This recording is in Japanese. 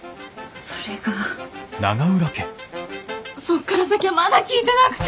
それがそっから先はまだ聞いてなくて。